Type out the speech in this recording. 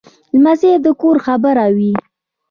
لمسی د کور خبره وي.